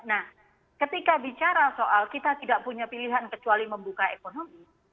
nah ketika bicara soal kita tidak punya pilihan kecuali membuka ekonomi